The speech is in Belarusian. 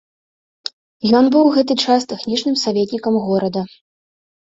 Ён быў ў гэты час тэхнічны саветнікам горада.